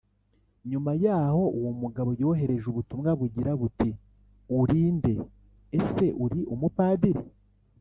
Nyuma yaho uwo mugabo yohereje ubutumwa bugira buti uri nde Ese uri umupadiri